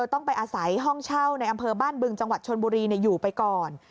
ต้องไปอาศัยห้องเช่าในอำเภอบ้านบึงจังหวัดชนบุรีอยู่ไปก่อน